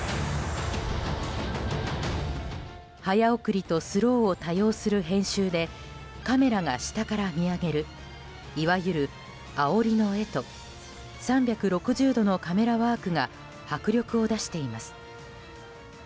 早送りとスローを多用する編集でカメラが下から見上げるいわゆる、あおりの画と３６０度のカメラワークが迫力を出しています。